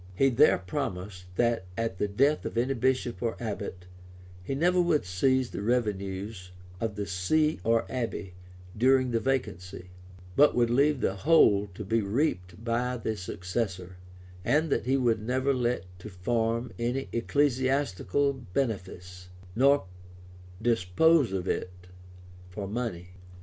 [*] He there promised, that, at the death of any bishop or abbot, he never would seize the revenues of the see or abbey during the vacancy, but would leave the whole to be reaped by the successor; and that he would never let to farm any ecclesiastical benefice, nor dispose of it for money.